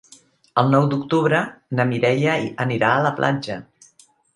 El nou d'octubre na Mireia anirà a la platja.